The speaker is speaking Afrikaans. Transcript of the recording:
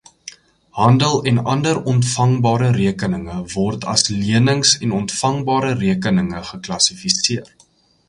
Handel- en ander ontvangbare rekeninge word as lenings en ontvangbare rekeninge geklassifiseer.